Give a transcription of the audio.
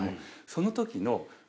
そのときの音？